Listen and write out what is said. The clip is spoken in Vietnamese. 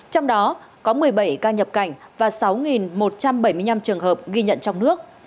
trong đó có một mươi bảy ca nhập cảnh và sáu một trăm bảy mươi năm trường hợp ghi nhận trong nước